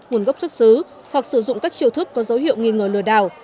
nguồn gốc xuất xứ hoặc sử dụng các chiều thức có dấu hiệu nghi ngờ lừa đảo